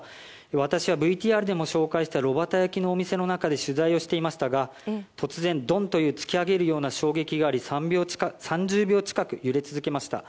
私はＶＴＲでも紹介した炉端焼きのお店の中で取材をしていましたが突然、ドンという突き上げるような衝撃があり３０秒近く揺れ続けました。